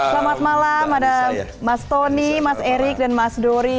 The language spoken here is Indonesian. selamat malam ada mas tony mas erik dan mas dori